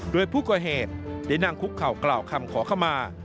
โดยผู้ก่อเหตุได้นั่งคุกเข่ากล่าวคำขอเข้ามา